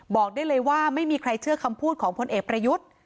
บอกได้เลยว่าไม่มีใครเชื่อคำพูดของพลเอกประยุทธ์